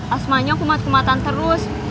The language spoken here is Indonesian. asthmanya kumat kumatan terus